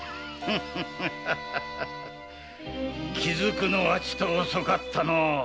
気づくのはちと遅かったのう。